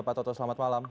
pak toto selamat malam